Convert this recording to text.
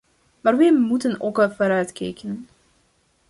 Maar wij moeten ook vooruitkijken.